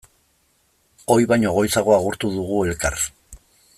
Ohi baino goizago agurtu dugu elkar.